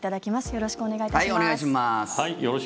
よろしくお願いします。